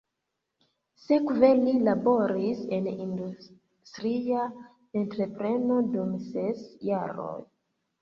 Sekve li laboris en industria entrepreno dum ses jaroj.